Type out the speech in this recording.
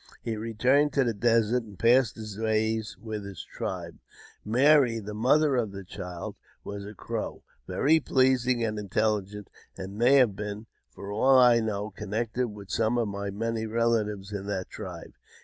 He returned to the desert and passed his days with his tribe. Mary, the mother of the child, was a Crow, very pleasing and intelligent, and may have been, for aught I know, connected with some of my many relatives in that tribe.